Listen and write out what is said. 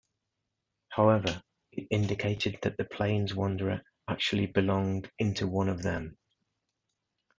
However, it indicated that the plains wanderer actually belonged into one of them.